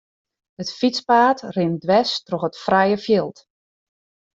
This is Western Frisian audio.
It fytspaad rint dwers troch it frije fjild.